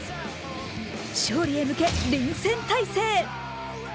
勝利へ向け、臨戦態勢。